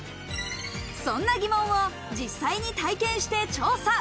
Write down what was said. そんな疑問を実際に体験して調査。